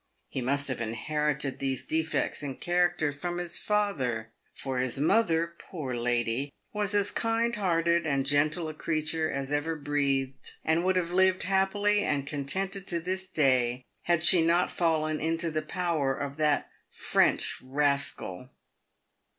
He must have inherited these defects in his character from his father ; for his mother — poor lady !— was as kind hearted and gentle a creature as ever breathed, and would have lived happy and contented to this day had she not fallen into the power of that French rascal.